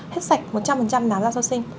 hết sạch một trăm linh nám da sau sinh